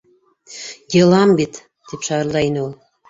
—Йылан бит! —тип шарылдай ине ул.